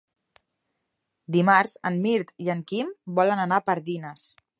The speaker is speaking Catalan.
Dimarts en Mirt i en Quim volen anar a Pardines.